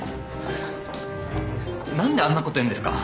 何であんなこと言うんですか？